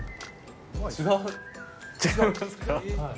違いますか？